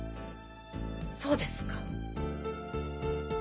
そうですか。